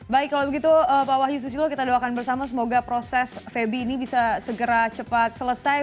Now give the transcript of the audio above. baik kalau begitu pak wahyu susilo kita doakan bersama semoga proses febi ini bisa segera cepat selesai